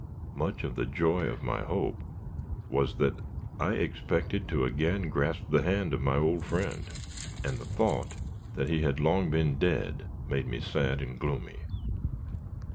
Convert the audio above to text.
Much of the joy of my hope was that I expected to again grasp the hand of my old friend, and the thought that he had long been dead made me sad and gloomy.